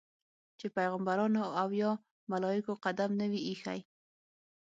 چې پیغمبرانو او یا ملایکو قدم نه وي ایښی.